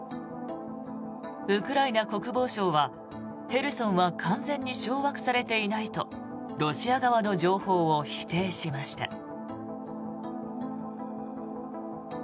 ウクライナ国防省はヘルソンは完全に掌握されていないとロシア側の情報を否定しました。